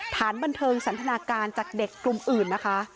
สถานบันเทิงสันทนาการจากเด็กกลุ่มอื่นนะคะ